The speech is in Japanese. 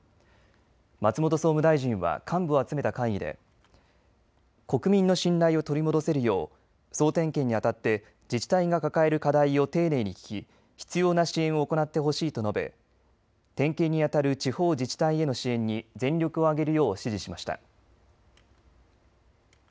松本総務大臣は幹部を集めた会議で国民の信頼を取り戻せるよう総点検にあたって自治体が抱える課題を丁寧に聞き、必要な支援を行ってほしいと述べ点検にあたる地方自治体への支援に全力を挙げるよう指示しました。